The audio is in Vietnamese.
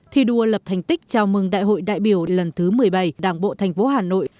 thi đua lập thành tích chào mừng đại hội đại biểu lần thứ một mươi bảy đảng bộ thành phố hà nội